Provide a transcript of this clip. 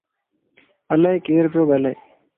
الائي ڪير پيو ڳالائي